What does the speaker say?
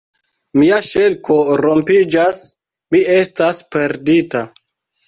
Mia ŝelko rompiĝas: mi estas perdita!